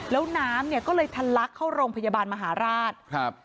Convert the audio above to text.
แล้วน้ำเนี่ยก็เลยทันลักเข้าโรงพยาบาลมหาราชครับ